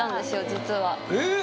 実はえっ？